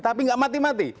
tapi gak mati mati